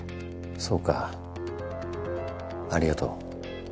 そうかありがとう。